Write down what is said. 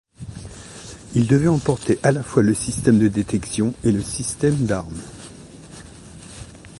Il devait emporter à la fois le système de détection et le système d'armes.